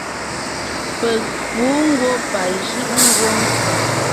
Peg pǔ ngwɔ́ pajʉʼ ngwóŋ.